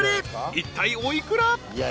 いったいお幾ら？］